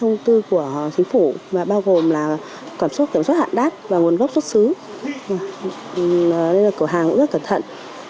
nên là cửa hàng cũng rất cẩn thận